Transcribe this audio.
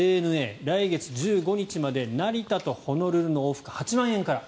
ＡＮＡ、来月１５日まで成田とホノルルの往復８万円から。